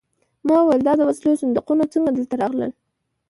ما وویل دا د وسلو صندوقونه څنګه دلته راغلل